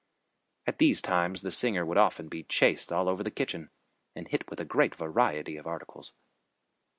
At these times the singer would often be chased all over the kitchen and hit with a great variety of articles.